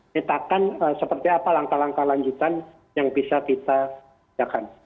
metakan seperti apa langkah langkah lanjutan yang bisa kita kerjakan